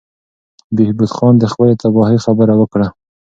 بهبود خان د خپلې تباهۍ خبره وکړه.